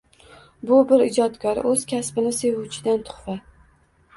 Bu bir ijodkor, oʻz kasbini sevuvchidan tuhfa.